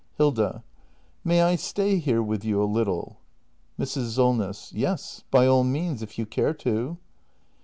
Hilda. May I stay here with you a little? Mrs. Solness. Yes, by all means, if you care to.